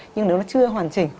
nhưng nếu nó chưa hoàn chỉnh